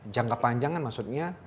jangka panjang kan maksudnya